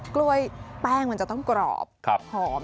กล้วยแป้งมันจะต้องกรอบหอม